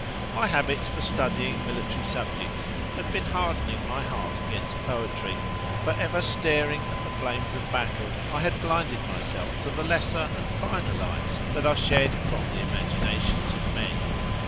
My habits for studying military subjects had been hardening my heart against poetry; for ever staring at the flames of battle, I had blinded myself to the lesser and finer lights that are shed from the imaginations of men.